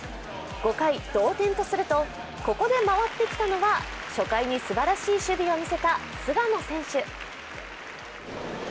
５回、同点とするとここで回ってきたのが初回にすばらしい守備を見せた菅野選手。